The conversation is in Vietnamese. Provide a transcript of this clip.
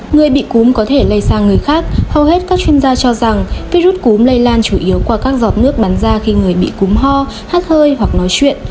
người bị cúm có thể lây sang người khác hầu hết các chuyên gia cho rằng virus cúm lây lan chủ yếu qua các giọt nước bán ra khi người bị cúm ho hát hơi hoặc nói chuyện